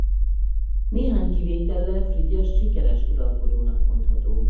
Néhány kivétellel Frigyes sikeres uralkodónak mondható.